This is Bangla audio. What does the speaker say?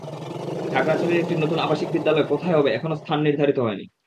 খাগড়াছড়ির একটি নতুন আবাসিক বিদ্যালয় কোথায় হবে, এখনো স্থান নির্ধারিত হয়নি।